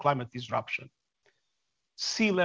lautan di bumi meningkat